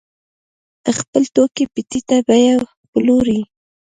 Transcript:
خپل توکي په ټیټه بیه پلوري.